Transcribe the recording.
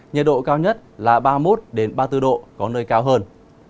nhiệt độ cao nhất là ba mươi một ba mươi bốn độ có nơi cao hơn